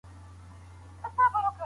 طبي پوهنځۍ په چټکۍ نه ارزول کیږي.